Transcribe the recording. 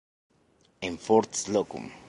En Fort Slocum.